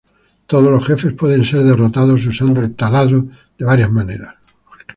Todos los jefes pueden ser derrotados usando el taladro de varias maneras.